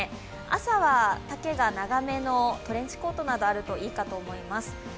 朝は丈が長めのトレンチコートなどあるといいと思います。